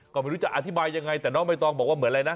ก็ไม่รู้จะอธิบายยังไงแต่น้องใบตองบอกว่าเหมือนอะไรนะ